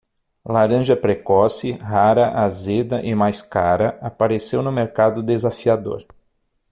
Laranja precoce, rara, azeda e mais cara, apareceu no mercado desafiador.